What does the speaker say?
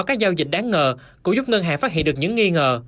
đảm bảo các giao dịch đáng ngờ cũng giúp ngân hàng phát hiện được những nghi ngờ